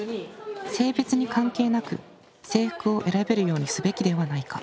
「性別に関係なく制服を選べるようにすべきではないか？」。